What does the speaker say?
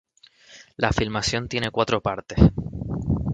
La filmación tiene cuatro partes.